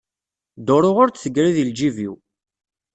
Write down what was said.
Dduru ur d-teggri di lǧib-iw.